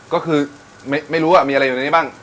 ก็คือไม่รู้ว่ามีอะไรอยู่ในนี้บ้าง